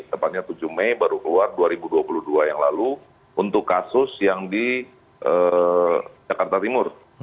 tepatnya tujuh mei baru keluar dua ribu dua puluh dua yang lalu untuk kasus yang di jakarta timur